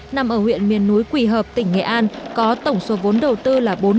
nằm ở huyện miền núi quỳ hợp tỉnh nghệ an có tổng số vốn đầu tư là bốn năm trăm linh tỷ đồng